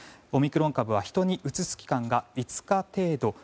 オミクロン株は人にうつす期間が５日程度。